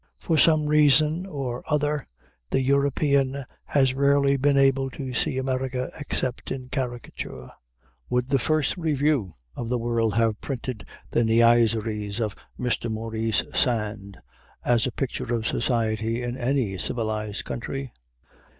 For some reason or other, the European has rarely been able to see America except in caricature. Would the first Review of the world have printed the niaiseries of Mr. Maurice Sand as a picture of society in any civilized country?